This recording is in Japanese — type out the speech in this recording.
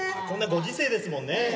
こんなご時世ですもんね。